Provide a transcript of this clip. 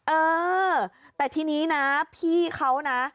เออแต่ทีนี้นะพี่เขานะ